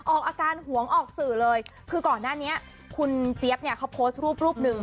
ออกอาการหวงออกสื่อเลยคือก่อนหน้านี้คุณเจี๊ยบเนี่ยเขาโพสต์รูปรูปหนึ่ง